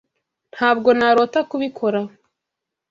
Ntabwo narota kubikora.